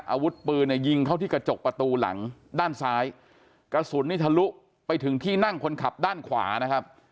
อาวุธปืนเนี่ยยิงเข้าที่กระจกประตูหลังด้านซ้ายกระสุนนี่ทะลุไปถึงที่นั่งคนขับด้านขวานะครับ